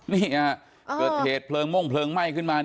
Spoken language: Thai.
นี่เกิดเหตุเพลิงม่งเพลิงไหม้ขึ้นมา